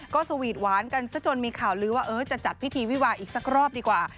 ก็สวีทหวานกันซะจนมีข่าวลือว่าจะจัดพิธีวิวาอีกสักรอบดีกว่า